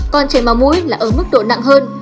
còn chảy máu mũi là ở mức độ nặng hơn